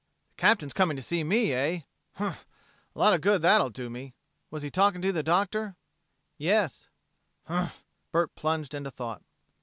"The Captain's coming to see me, eh? Humph! A lot of good that'll do me. Was he talking with the doctor?" "Yes." "Humph!" Bert plunged into thought.